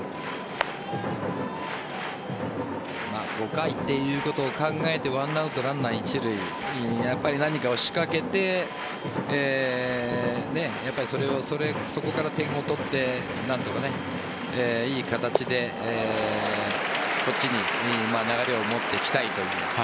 ５回ということを考えて１アウトランナー一塁何かを仕掛けてそこから点を取って何とかいい形でこっちに流れを持ってきたいという。